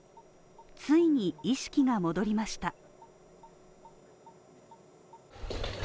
ついに意識が戻りました。